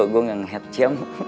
gue gak ngeliat jam